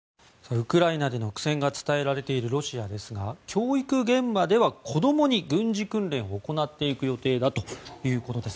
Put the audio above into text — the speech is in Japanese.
ウクライナでの苦戦が伝えられているロシアですが教育現場では子どもに軍事訓練を行っていく予定だということです。